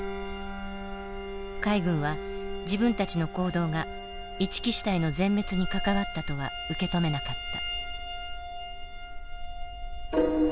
海軍は自分たちの行動が一木支隊の全滅に関わったとは受け止めなかった。